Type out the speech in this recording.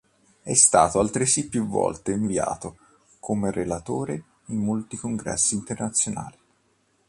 È stato altresì più volte invitato, come relatore, in molti congressi internazionali.